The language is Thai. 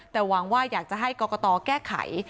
แต่หวังว่าอยากจะให้กรกตแก้ไข